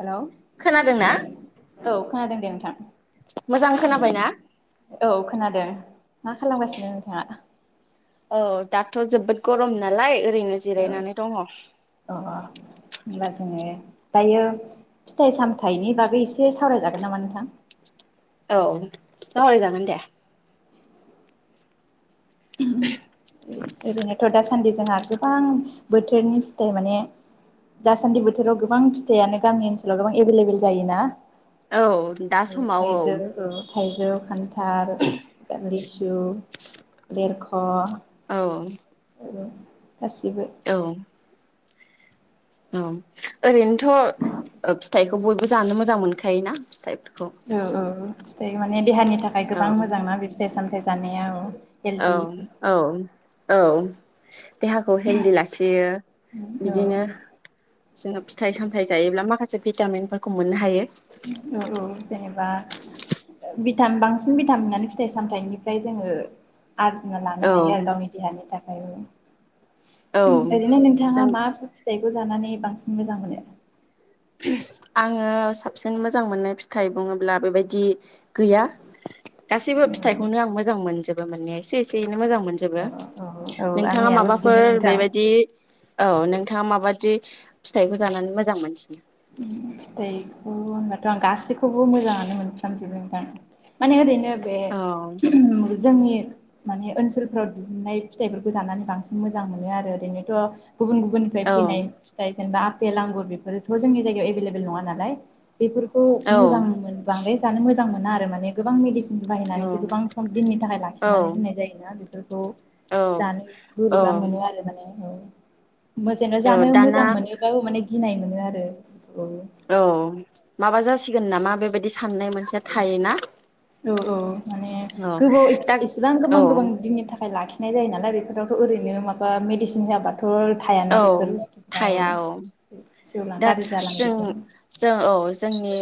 हेल' औ खोनादोंना खानादों। दे नोथां मोजां खोनाबायना औ खोनादों। मा खालामगासिनो नोंथाङा? औ दाथ' जोबोद गरम नालाय ओरैनो औ जिरायनानै दङ औ अ होमबा जोङो दायो फिथाइ सामथायाइनि बागै एसे सावरायजागोन नामा नोंथां? औ सहराय जागोन दे [unintelligible] ऐरैनो थदासान दासान्दि जोंहा गोबां बोथोरनि फिथाइ माने दासान्दि बोथोराव गोबां फिथाइयानो गामि ओनसोलाव गोबां एभेलेबेल जायोना औ दा समाव औ जौ खान्थाल रिसु देरख' औ औ गासिबो औ औ ओरैनोथ' फिथाइखौ बयबो जानो मोजां मोनखायोना फिथाइ औ औ माने देहानि नि थाखाय औ गोबां मोजां ना बि फिसाय सामथायाइ जानाया औ औ हेलदि औ औ [unintelligible] देहाखौ हेलदि लाखियो औ बिदिनो जोंङो फिथाइ सामथायाइ जायोब्ला माखासे भिटामिनफोरखौ मोननो हायो भितमिन बांसिन भिटामिनानो फिथाइ सामथाइनिफ्राय जोंङो आरजिना लानो औ हायो आरो गावनि देहानि थाखाय औ आरो ओरैनो नोंथाङा जों मा फिथाइ खौ जानानै बांसिन मोजां मोनो आङो साबसिन मोजां मोननाय फिथाइ बुंङोब्ला बेबायदि गैया गासैबो फिथाइखौनो आं मोजां मोनजोबो [inaudible] एसे एसेयैनो मोजां औ मोनजोबो औ नोंथाङा आंनियाबो बिदिनो माबाफोर नोंथां बेबायदि औ नोंथाङा माबादि। फिथाइखौ जानानै मोजां मोनसि। फिथाइखौ होनबाथ आं गासैखौबो मोजांङानो मोनफ्रामजोबो बोद नोंथां माने ओरैनो। बे औ जोंनि। माने ओनसोलफोराव दिहुननाय फिथाइफोरखौ जानानै बांसिन मोजां मोनो आरो ओरैनोथ'। गुबुन गुबुननिफ्राय औ फैनाय फिथाइ जेनेबा। फेल आंगुर बेफोर। बो जोंनि जायगायाव एभेलेबल नंङा नालाय। बेफोरखौ औ मोजां मोन बांद्राय जानो मो जां मोना माने गोबां मडि। बाहायनानैसो गोबां सम दिननि थाखाय लाखिनानै औ दोननाय जायोना बे औ औ जानो बोरिबा औ मोनो आरो माने औ। [unintelligible] औ दाना मोजां मोनोबाबो माने गिनाय मोनो आ रो औ माबा जा सिगोन नामा बेबायदि साननाय मोनसेया थायोना। औ औ। माने औ गोबाव दा एसेबां औ गोबां गोबां दिननि थाखाय लाखि नाय जायो नालाय बेफोरावथ' ओरैनो माबा मेडिसिन होआबा थ' थायाना औ बेफोर बुस्थुफ्राव औ। सेवलां दा गाज्रि जों जालांजोबगोन जों औ जोंनि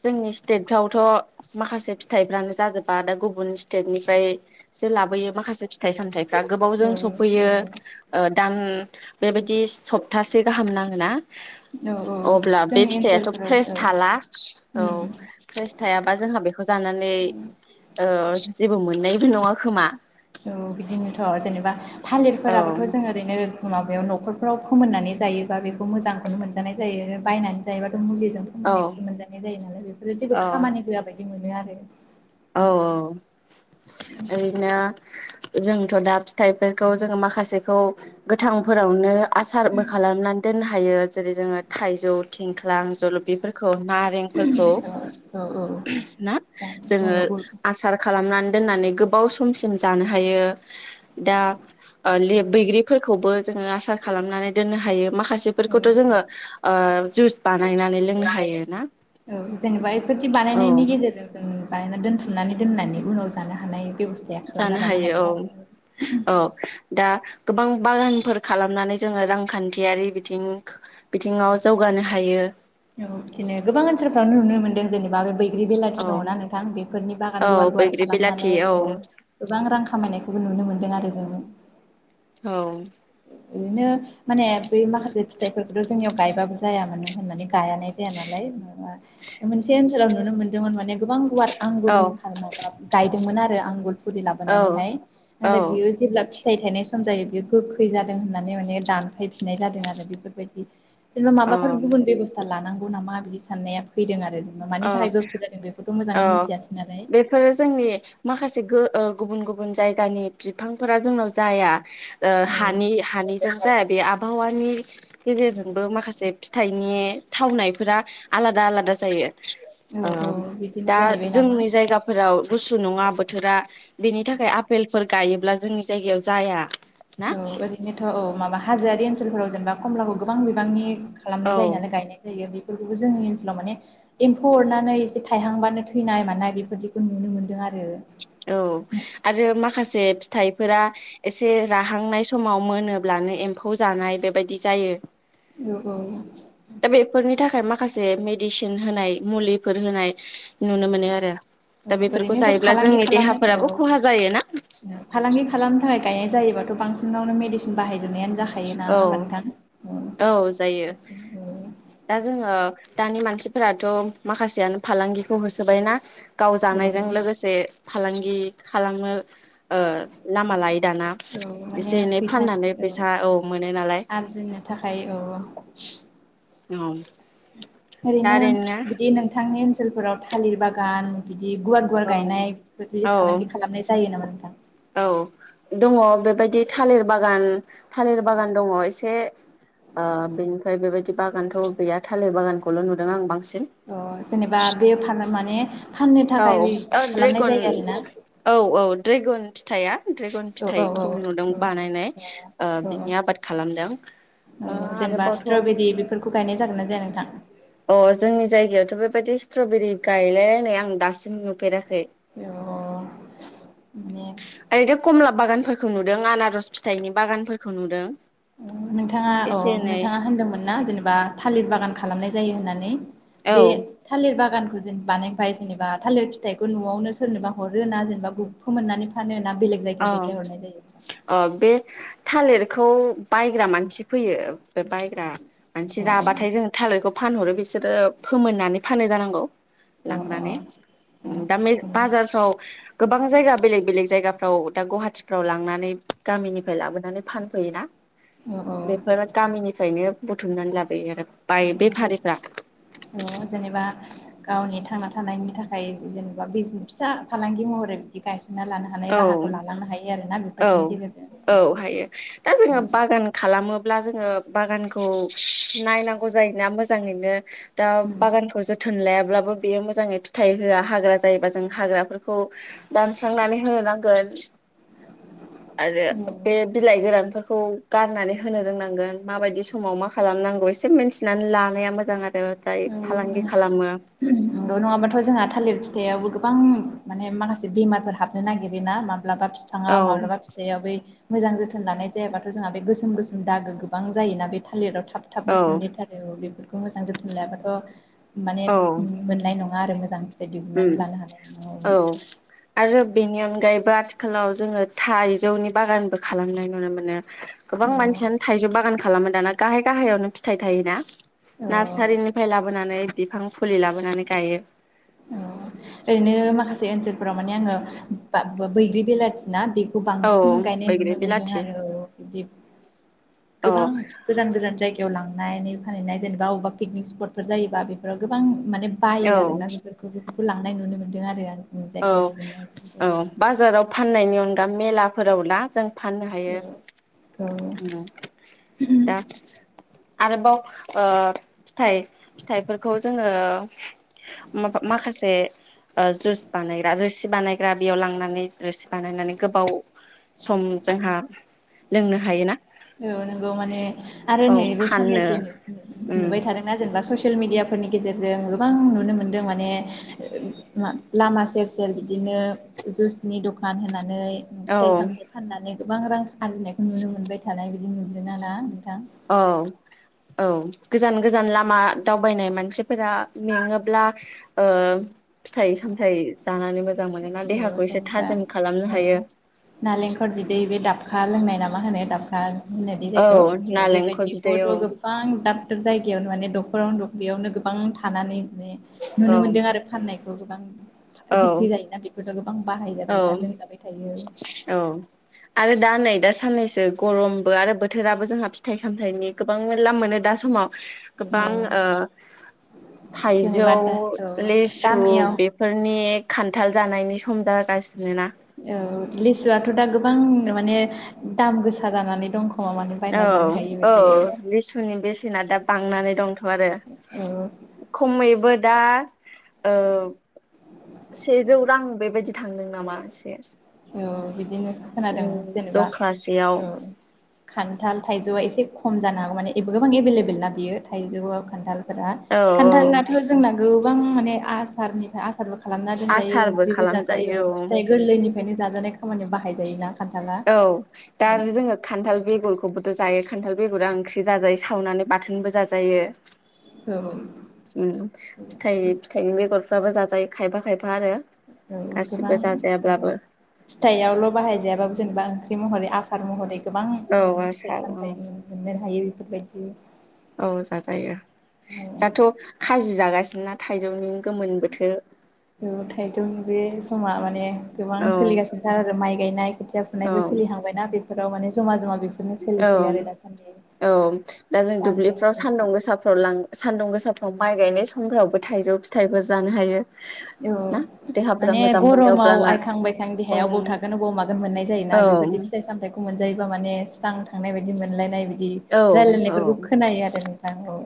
जोंनि स्टेटफ्रावथ' माखासे फिथाइफ्रानो जाजोबा। दा गुबुन स्टेटनिफ्रायसो लाबोयो माखासे फिथाइ सामथाइ फ्रा औ गोबावजों सफैयो। औ ओ दां बेबायदि सप्तासे गाहाम नाङो ना औ औ अब्ला बे जोंनि फिथाइआथ' ओनसोलफोराव फ्रेस औ थाला। औ फ्रेस थायाबा जोंहा बेखौ जानानै ओ जेबो मोननाय नङा खोमा औ बिदिनोथ' जेनेबा औ थालिरफोराबोथ' जों ओरैनो माबायाव न'खर फ्राव फोमोननानै जायोबा बे खौ मोजांखौनो मोनजानाय जायो। बायनानै जायोबा मुलिजों फोमोननायखौसो मोनजानाय जायो नालाय बेफोरो जेबो औ खामानि होआ बायदि मोनो आरो औ औ। ओरैनो जोंथ' दा फिथाइफोरखौ जोङो माखासेखौ गोथांफोरावनो आसारबो खालामनानै दोननो हायो। जेरै जोङो थाइ जौ, थिंख्लां, जलिफोरखौ, नारेंफोरखौ औ औ औ [unintelligible] ना? जानो ओ बुङो औ आसार खाल खालामनानै दोननानै गोबाव समसिम जानो हायो। दा ओ लेब बैग्रिफोरखौबो जोङो आसार खालामनानै दोननो हायो। माखासेफोरखौथ' जोङो ओ जुस बानायनानै लोंनो हायो ना खि औ बानायनायनि गेजेरजों जोङो। बायना दोनथुमनानै दोननानै उनाव जानो हानाय। बेब'स्थाया खालामना जानो लानो हायो औ आरो औ दा गोबां। बागानफोर खालामनानै जोङो रांखान्थियारि बिथिं बिथिङाव जौगानो हायो। औ बिदिनो गोबां ओनसारफ्रावनो नुनो मोनदों जेने। बा बैग्रि बेलाथि औ दङना नोंथां बेफोरनि बागान औ गुवार गुवार बैग्रि बिलाथि खालामनानै औ ओ गोबां रां खामायनाय। खौबो नुनो मोन्दों आरो जोङो। औ ओरैनो माने बै माखासे फिथाइफोरखौथ जोंनियाव गायबाबो जाया मानो होननानै गायानाय जाया नालाय माबा मोनसे ओनसोलाव नुनो मोन्दोंमोन माने गोबां गुवार। आंगुरनि औ फारामावबा गायदोंमोन आरो आंगुर फुलि लाबोनानै औ हाय माने औ बेयो जेब्ला। फिथाइ थनाय सम जायो बेयो गोख। खै जादों होननानै माने दानफाय फिननाय जादों आरो बेफोरबायदि। जेनेबा माबाफोर ओम गुबुन बेबस्था लानां। गौ नामा बिदि साननाया। फैदों आरो मानि औ थाखाय गोखै जादों बेखौथ मोजाङै औ मिथियाासै नालाय। बेफोरो जोंनि माखासे गो ओ गुबुन गुबुन जायगानि बिफांफोरा जोंनाव जाया। ओ हानि औ हानि जरजा। बे आबहावानि। गेजेरजोंबो माखासे फिथाइनि थावनाय। फोरा आलादा आलादा। जायो ओ औ औ बिदिनो दा जाहैबाय नामा जोंनि जायगाफोराव। गुसु नङा बोथोरा। बेनि थाखाय आफेलफोर गायोब्ला। जोंनि जायगायाव जाया। ना औ ओरैनोथ औ माबा हाजोआरि। ओनसोलफोराव जेनबा कमलाखौ गोबां बिबांनि। खालामनाय औ जायो नालाय गायनाय जायो बि। बेफोरखौबो जोंनि ओनसोलाव माने एम्फौ अरनानै एसे थायहांबानो थैनाय मानाय बेफोरदिखौ नुनो मोन्दों आरो। औ आरो माखासे फिथ। थाइफोरा एसे राहांनाय समाव मोनोब्लानो एम्फौ जानाय बेबायदि जायो। औ औ दा बेफोरनि थाखाय माखासे मेडिसिन होनाय मुलिफोर होनाय। नुनो मोनो आरो औ दा बेफोरखौ ओरैनोथ' जायोब्ला फालांगि जोंनि। औ देहाफोराबो खहा जायोना फालांगि खालामनो थाखाय गायनाय जायोबाथ' बांसिनावनो मेदिसिन बाहायो। गजोबनायानो जाखायोना औ हाबानोथां। औ जायो। दा जोङो दानि मानसि फोरथ' माखासेयानो फालांगिखौ होसोबायना गाव औ जानायजों लोगोसे फालांगि खालामनो ओ लामा लायो दाना औ माने एसे एनै फैसा फाननानै फैसा औ मोनो नालाय। ओमफाय औ। औ। ओरैनो बिदि नोंथांनि ओनसोलफोराव थालिर बागान बि दि गुवार गुवार औ गायनाय बेफोरखौ औ फालांगि खालामनाय जायो नामा नोंथां? बायदि थालिर बागान थालिर बागान दङ एसे ओ बेनिफ्राय बेबायदि बागानथ' गैया थालिर बागानखौल' नुदों आं बांसिन। अ जेनेबा बे फान माने फाननो औ थाखाय औ खालामनाय ड्रेगन जायो आरोना औ औ ड्रेगन फिथाया ड्रेगन औ औ औ फिथाइखौ नुदों औ बानायनाय ओ औ बिनि आबाद खालामदों औ जेनेबा आरोबावथ' स्ट्रबेरि बेफोरखौ गायनाय जागोन ना जाया नोंथां? अ जोंनि जायगायावथ' बेबायदि स्ट्रबेरि गायलायलायनाय आं दासिम नुफेरा खै। अ [unintelligible] ओरैनो कमला बागानफोर खौ नुदों आनारस फिथाइनि बागानफोरखौ नुदों। नोंथाङा अ एसे एनै नोंथाङा होनदोंमोन ना जेनेबा थालिर बागान खा खालामनाय जायो होननानै? औ बे थालिर बागान खौ जेन बानायबाय जेनेबा थालिर फिथाइखौ न'आवनो सोरनोबा हरो ना जेनेबा गुबुन फोमोननानै फानो? ना बेलेग औ जायगायाव दैथायहरनाय जायो अ बे थालिर खौ बायग्रा मानसि फैयो। बे बायग्रा मानसि अ माने राबाथाय जोङो थालिरखौ फानहरो बिसोरो फोमोननानै फानो जानांगौ। अ अ लांनानै दा बाजारफ्राव गोबां जायगा बेलेग बेलेग जायगा फ्राव दा गुवाहाटिफ्राव लांनानै गामिनिफ्राय लाबोनानै फानफैयोना। औ बेफोर गामिनिफ्रायनो बुथुमनानै लाबोयो आरो बाय औ बेफारिफ्रा औ जेनेबा गावनि थांना थानायनि थाखाय जेनेबा बिज फिसा फालांगि महरै बिदि गाय औ औ बेफोरदिनि गेजेरजों औ हायो दा जोङो बागान खालामो ब्ला जोङो बागानखौ नायनांगौ जायोना मोजाङैनो। दा बागानखौ जोथोन लायाब्लाबो बेयो मोजाङै फिथाइ होआ हाग्रा जायोबा जों हाग्राफोरखौ दानस्रांनानै होनांगोन आरो औ बे बिलाइ गोरानफोर खौ गारनानै होनो रोंनांगोन माबायदि समाव मा खालामनांगौ एसे मिन्थिनानै लानाया मोजां आरो जाय औ फालांगि माने खालामो नंगौ नङाबाथ' जोंहा थालिर फिथाइआवबो गोबां माने माखासे बेमारफोर हाबनो नागिरो ना मा माब्लाबा फिफाङा औ माब्लाबा फिथाइआ बै मोजां जोथोन लानाय जायाबाथ' जोंहा बे गोसोम गोसोम दागो गोबां जायोना बे थालिराव था थाब थाबनो औ सनदेरथारो औ बेफोरख खौ मोजां जोथ लायाबाथ' माने मोननाय नङा आरो मोज जां उम औ आरो बेनि अनगायैब बो आथिखालाव जोङो थाइजौनि बागानबो खालामनाय नुनो मोनो। गोबां मानसियानो थाइजौ बागान खालामो दाना। गाहाय गाहायावनो फि थाइ थायोना औ नार्सारिनिफ्राय लाबोनानै बिफां फुलि लाबोनानै गायो। ओ ओरैनो माखासे ओनसोल फोराव माने आङो बा बैग्रि बिलाथिना बे खौ औ बांसिन गायनाय बैग्रि नुनो मोन्दों बिलाथि आरो औ बिदि औ गोबां गोजान गोजान जायगायाव लांङो। नायनै फानहैनाय जेनेबा अबेबा पिकनिक स्पटफोर जायोबा बेफोराव गोबां माने बायो औ आरो ना गो बेफोरखौ लांनाय नुनो मोन्दों आरो जोंनि औ जायगायाव दिहुननायफोरखौ औ बाजाराव फाननायनि अनग दा मेलाफोराव ला जों फाननो हायो औ दा आरोबावा ओ फिथाइ फिथाइफोरखौ जोङो माखासे जुस बानायग्रा रोसि बानायग्रा बेयाव लांनानै रोसि बानायनानै गोबाव सम जोंहा लोंनो हायो ना औ नंगौ माने आरो नै बे फाननो साननैसो उम नुबाय थादोंना जेनेबा ससियेल मिेडियाफोरनि गेजेरजों गोबां नुनो मोन्दों माने लामा सेर सेर बिदिनो जुइसनि दखान होननानै ओ औ फीथाइ सामथाई फाननानै गोबां रां आरजिनायखौ नुनो मोनबाय थानाय बिदि नुदोंोन ना नोंथां औव औ गोजान गोजान लामा दावबायनाय मानसिफोरा मेङोब्ला फिथाइ सामथायाइ जानानै मोजां मोनोना औ देहाखौ एसे जेनेबा थाजिम खालामनो औ हायो नालेंखर बिदै बे दाबखा लोंनाय नामा होनो दाबखा आरो होनदि जायखौ औ नालेंखर बिदै बेबायदिखौथ' औ गोबां दाब दाब जायगायावनो माने दख'रावनो दखरियावनो गोबां थानानै माने नुनो औ मोनदों आरो फाननायखौ गोबां ओ औ बिग्रि जायोना बि बे औ औ आरो दा नै दा साननैसो गरमबो आरो बोथोराबो जोंहा फी फिथाइ सामथाइनि गोबां मेला मोनो दा समाव औ गोबां ओ थाइजौ जेनेबा दा औ लेसु गामियाव बेफोरनि खान्थाल जानायनि सम जा गास औ लिसुआथ' दा गो गोबां माने दाम गोसा जानानै दं खोमा माने बायना औ जानो हायि औ बायदि लिसुनि बेसेना दा बांनानै दंथ' आरो औ खमैबो दा ओ सेजौ रां बेबायदि थांदों नामा एसे औ बिदिनो खोनादों उम जेनेबा जख्लासेयाव ओ खान्थाल थाइजौआ एसे खम जानो हागौ माने गोबां एभेलेबेल ना बियो थाइजौ खान्थाल फोरा औ औ खान्थालाथ' जोंना गोबां माने आ सारनिफ्राय आ सारबो खालामना दोनजायो आसारबो ओंख्रिबो जाजायो खालामजायो औ। फिथाइ गोरलैनि ओंखायनो जाजानाय खामानियाव बाहाय जायोना औ दा जोङो खान्थाल बेगल खौबोथ' जायो खान्थाल बेगरा ओंख्रि जाजायो सावनानै बाथोनबो जाजायो नोगौ फिथाइ फिथाइनि बेगर फ्राबो जाजायो खायफा खायफा आरो। औ गासिबो गोबां औ जाजायाब्लाबो फिथायाइआवल' बाहायजायाबाबो जेनेबा ओं ख्रि महरै आसार महरै गोबां औ माने फिथाइ आसार औ सामथाइ मोननो हायो बेफोरबायदि। बे औ जाजायो दाथ'। खाजि जागासिनोना थाइजौनि गोमोन बोथोर औ थाइजौनि निबे समा मा ने गोबां औ सोलिगासिनोथार आरो माइ गायनाय खोथिया औ फुनायबो सोलिहांबायना बे फोराव माने जमा जमा बे औ औ दा जों गामि दुब्लिफ्राव सान्दुं ओनसोलावहाय गोसाफ्राव लां सान्दुं गोसा माइ गायनाय समफ्रावबो थाइजौ फिथाइफोर जानो हायो। औ ना देहाफोरा माने मोजां मोनो गरमाव अब्लाना आइखां बायखां औ देहाया अबाव थागोन अबाव मागोन मोननाय औ जायोना बेफोरदि फिथाइ सामथाइखौ मोनजायोबा माने जां थांनाय बायदि मोनलायनाय बि दि औ औ रायलायनायफोरखौ खोनायो आरो नोंथां औ।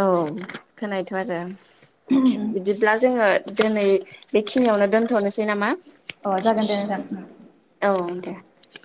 औ खोनायोथ' आरो। बिदिब्ला जोङो दोनै बेखिनियावनो दोनथ'नोसै नामा? अ जागोन दे नोंथां औ दे।